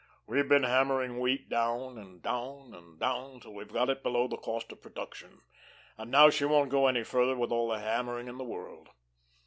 We've been hammering wheat down and down and down, till we've got it below the cost of production; and now she won't go any further with all the hammering in the world.